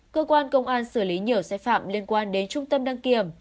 cơ quan công an xử lý nhiều xe phạm liên quan đến trung tâm đăng kiểm